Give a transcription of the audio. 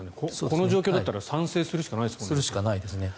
この状況だったら賛成するしかないですもんね。